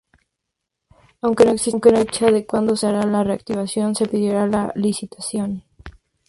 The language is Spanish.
Aunque no existe fecha de cuando se hará la re-activación, se pedirá la licitación.